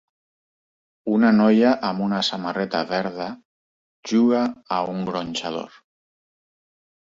Una noia amb una samarreta verda juga a un gronxador.